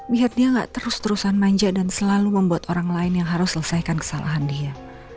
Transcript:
biar dia gak terus terusan manja dan selalu membuat orang lain yang harus selesaikan kesalahan dia